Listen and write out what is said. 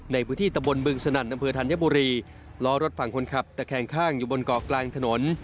ในพื้นที่ตะบนบึงสนั่นอำเภอธัญบุรีล้อรถฝั่งคนขับตะแคงข้างอยู่บนเกาะกลางถนน